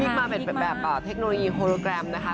มาเป็นแบบเทคโนโลยีโฮโรแกรมนะคะ